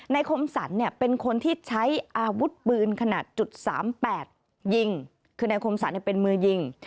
คมสรรเนี่ยเป็นคนที่ใช้อาวุธปืนขนาด๓๘ยิงคือนายคมสรรเป็นมือยิง